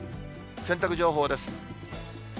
洗濯情報です。